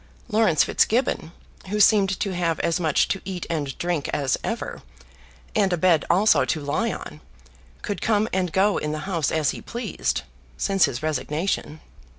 Laurence Fitzgibbon, who seemed to have as much to eat and drink as ever, and a bed also to lie on, could come and go in the House as he pleased, since his resignation.